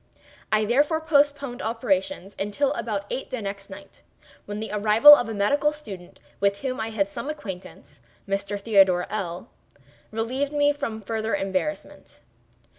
I therefore postponed operations until about eight the next night, when the arrival of a medical student with whom I had some acquaintance, (Mr. Theodore L—l,) relieved me from farther embarrassment.